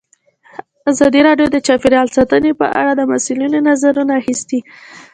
ازادي راډیو د چاپیریال ساتنه په اړه د مسؤلینو نظرونه اخیستي.